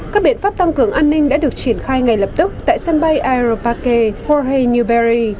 các biện pháp tăng cường an ninh đã được triển khai ngay lập tức tại sân bay aeroparque coghenilberry